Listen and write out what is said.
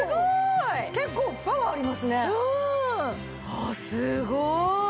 ああすごい！